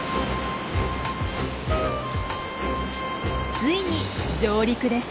ついに上陸です。